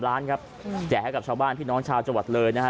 ล้านครับแจกให้กับชาวบ้านพี่น้องชาวจังหวัดเลยนะฮะ